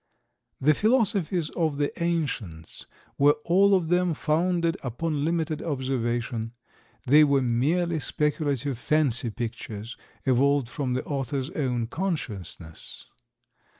The philosophies of the ancients were all of them founded upon limited observation; they were merely speculative fancy pictures evolved from the author's own consciousness.